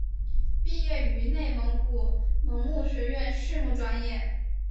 毕业于内蒙古农牧学院畜牧专业。